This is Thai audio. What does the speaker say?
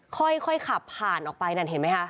ค่อยขับผ่านออกไปนานเห็นมั้ยฮะ